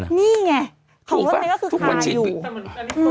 นี่ไงของรถเมย์ก็คือคลายอยู่